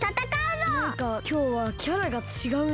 マイカきょうはキャラがちがうな。